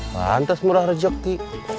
pantes murah rejeki